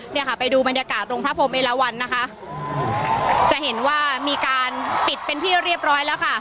เนี่ยค่ะไปดูบรรยากาศตรงพระพรมเอลวันนะคะจะเห็นว่ามีการปิดเป็นที่เรียบร้อยแล้วค่ะ